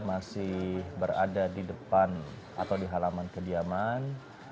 masih berada di depan atau di halaman kediaman